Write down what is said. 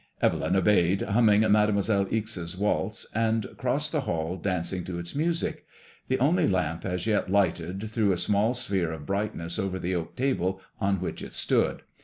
Evelyn obeyed, hnmming Made moiselle Ixe's waltZy and crossed the hall dancing to its music. The only lamp as yet lighted threw a small sphere of bright ness over the oak table on which it stood.